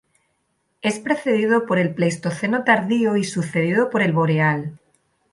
Es precedido por el Pleistoceno tardío y sucedido por el Boreal.